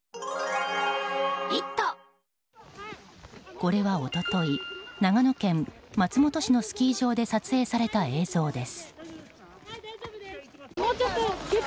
これは一昨日、長野県松本市のスキー場で撮影された映像です。